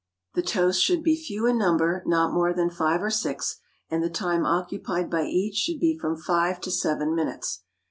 The toasts should be few in number, not more than five or six, and the time occupied by each should be from five to seven minutes.